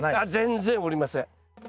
全然おりません。